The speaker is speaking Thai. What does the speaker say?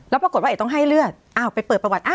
แล้วปรากฏว่าเอกต้องให้เลือดอ้าวไปเปิดประวัติ